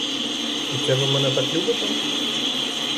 І це ви мене так любите?